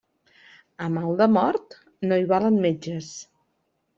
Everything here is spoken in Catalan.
A mal de mort, no hi valen metges.